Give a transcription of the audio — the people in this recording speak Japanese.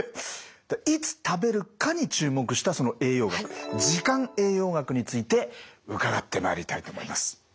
いつ食べるかに注目したその栄養学時間栄養学について伺ってまいりたいと思います。